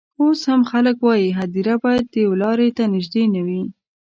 اوس هم خلک وايي هدیره باید و لاري ته نژدې نه وي.